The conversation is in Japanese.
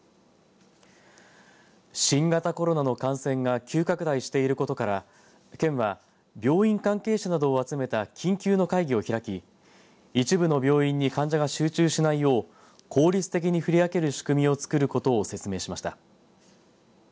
新型コロナの感染が急拡大していることから県は病院関係者などを集めた緊急の会議を開き一部の病院に患者が集中しないよう効率的に振り分ける仕組みをつくることを説明しました。